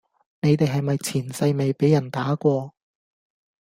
你地係咪前世未比人打過?